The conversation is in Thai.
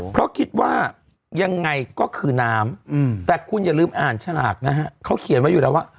เพราะคิดว่ายังไงก็คือน้ำแต่คุณอย่าลืมอ่านฉลากนะฮะเขาเขียนไว้อยู่แล้วว่า